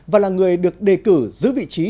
và là người được đề cử giữ vị trí